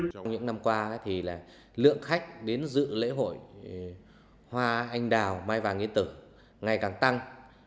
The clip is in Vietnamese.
trong những năm qua thì lượng khách đến dự lễ hội hoa anh đào mai vàng yên tử ngày càng tăng